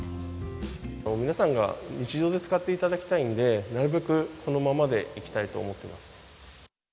皆さんが日常で使っていただきたいんで、なるべくこのままでいきたいと思ってます。